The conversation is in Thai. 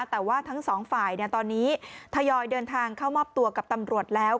แต่ว่าทั้งสองฝ่ายตอนนี้ทยอยเดินทางเข้ามอบตัวกับตำรวจแล้ว